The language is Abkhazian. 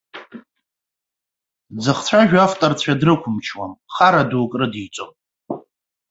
Дзыхцәажәо авторцәа дрықәымчуам, хара дук рыдиҵом.